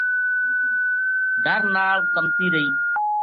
ڈر نال کَمتی رہی